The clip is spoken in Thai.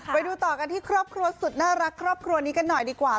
ไปดูต่อกันที่ครอบครัวสุดน่ารักครอบครัวนี้กันหน่อยดีกว่า